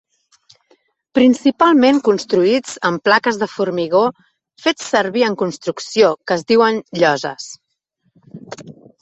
Principalment construïts amb plaques de formigó fets servir en construcció, que es diuen lloses.